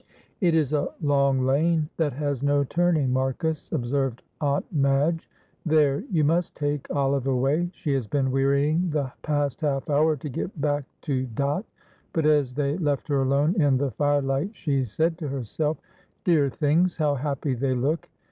"It is a long lane that has no turning, Marcus," observed Aunt Madge. "There, you must take Olive away, she has been wearying the past half hour to get back to Dot!" but as they left her alone in the firelight she said to herself: "Dear things, how happy they look!